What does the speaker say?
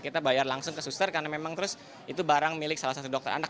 kita bayar langsung ke suster karena memang terus itu barang milik salah satu dokter anak